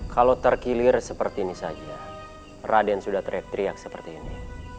kalau terkilir seperti ini saja raden sudah teriak teriak seperti ini